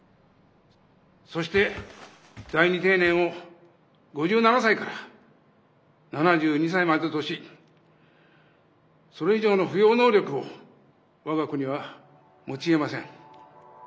そして第二定年を５７歳から７２歳までとし、それ以上の扶養能力を我が国は持ちえません。